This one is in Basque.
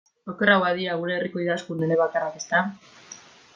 Okerrago dira gure herriko idazkun elebakarrak, ezta?